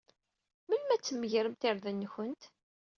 Melmi ad tmegremt irden-nwent?